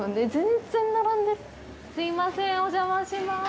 すいません、お邪魔しまーす。